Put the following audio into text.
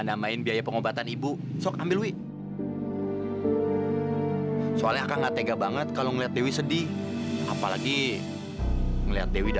sampai jumpa di video selanjutnya